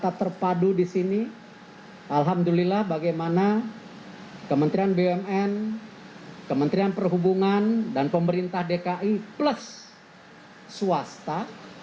terima kasih telah terpadu di sini alhamdulillah bagaimana kementerian bumn kementerian perhubungan dan pemerintah dki plus swasta